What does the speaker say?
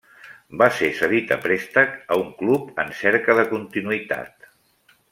Va ser cedit a préstec a un club en cerca de continuïtat.